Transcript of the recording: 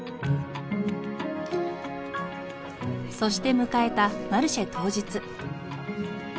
そして迎えたマルシェ当日。